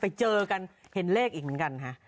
ไปเจอกันเห็นเลขอีกเหมือนกันฮะ